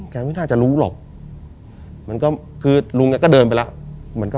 ไม่น่าจะรู้หรอกมันก็คือลุงแกก็เดินไปแล้ว